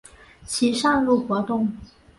其上路活动。